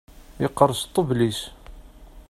Yeqqerṣ ṭṭbel-is.